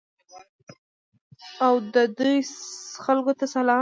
او د دوی خلکو ته سلام.